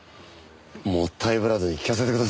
もったいぶらずに聞かせてくださいよ。